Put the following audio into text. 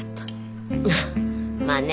まあね。